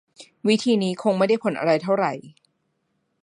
วิธีนี้คงไม่ได้ผลอะไรเท่าไหร่